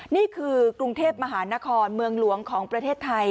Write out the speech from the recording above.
นี่คือกรุงเทพมหานครเมืองหลวงของประเทศไทย